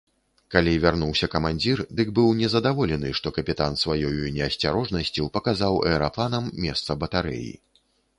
Калі вярнуўся камандзір, дык быў нездаволены, што капітан сваёю неасцярожнасцю паказаў аэрапланам месца батарэі.